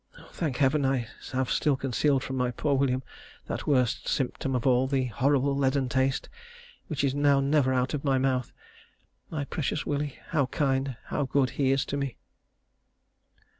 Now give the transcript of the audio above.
Thank Heaven I have still concealed from my poor William that worst symptom of all, the horrible leaden taste which is now never out of my mouth. My precious Willie, how kind, how good he is to me....